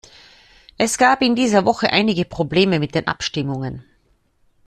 Es gab in dieser Woche einige Probleme mit den Abstimmungen.